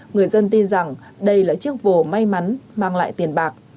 người dân tin rằng đây là chiếc vô may mắn mang lại tiền bạc